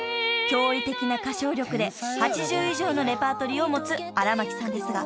［驚異的な歌唱力で８０以上のレパートリーを持つ荒牧さんですが］